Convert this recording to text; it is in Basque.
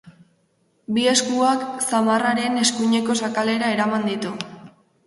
Bi eskuak zamarraren eskuineko sakelera eraman ditu.